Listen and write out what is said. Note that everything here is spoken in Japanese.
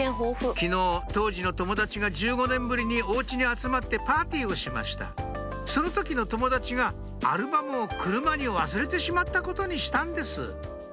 昨日当時の友達が１５年ぶりにお家に集まってパーティーをしましたその時の友達がアルバムを車に忘れてしまったことにしたんです